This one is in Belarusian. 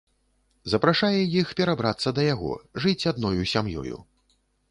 Запрашае іх перабрацца да яго, жыць адною сям'ёю.